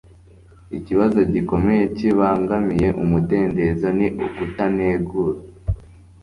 ikibazo gikomeye kibangamiye umudendezo ni ukutanegura